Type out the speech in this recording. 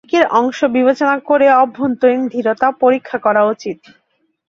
প্রত্যেকের অংশ বিবেচনা করে অভ্যন্তরীণ দৃঢ়তা পরীক্ষা করা উচিত।